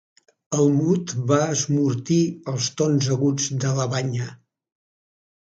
El mut va esmortir els tons aguts de la banya.